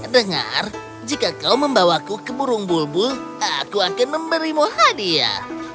dengar jika kau membawaku ke burung bulbul aku akan memberimu hadiah